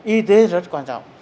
y tế rất quan trọng